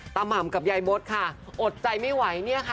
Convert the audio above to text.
หม่ำกับยายมดค่ะอดใจไม่ไหวเนี่ยค่ะ